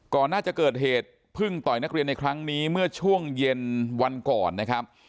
ก่อนน่าจะเกิดเหตุเพิ่งต่อยนักเรียนในครั้งนี้เมื่อช่วงเย็นวันก่อนนะครับ